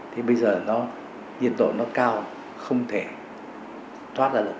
thì bây giờ nhiệt độ nó cao không thể thoát ra được